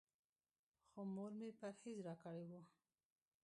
خو مور مې پرهېز راکړی و.